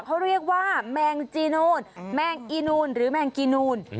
เขาเรียกว่าแมงจีนูนแมงอีนูนหรือแมงกีนูน